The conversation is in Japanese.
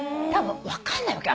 分かんないわけ。